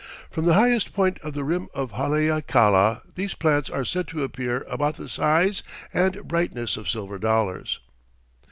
From the highest point of the rim of Haleakala these plants are said to appear about the size and brightness of silver dollars.